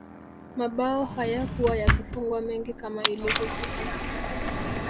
mabao hayakuwa yakifungwa mengi kama ilivyo sasa